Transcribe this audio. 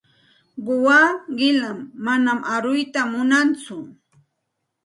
Quwaa qilam, manam aruyta munantsu.